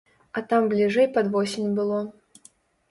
А там бліжэй пад восень было.